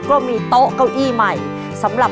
และวันนี้โรงเรียนไทรรัฐวิทยา๖๐จังหวัดพิจิตรครับ